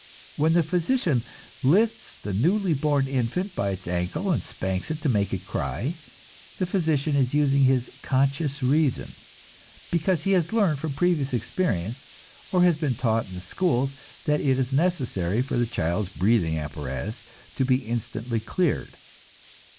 When the physician lifts the newly born infant by its ankle and spanks it to make it cry, the physician is using his conscious reason, because he has learned from previous experience, or has been taught in the schools that it is necessary for the child's breathing apparatus to be instantly cleared.